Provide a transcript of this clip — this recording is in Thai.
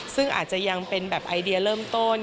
ซึ่งอาจจะยังเป็นแบบไอเดียเริ่มต้น